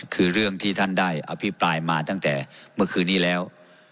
คือเรื่องที่ท่านได้อภิปรายมาตั้งแต่เมื่อคืนนี้แล้ว